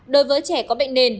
đối với trẻ có bệnh nền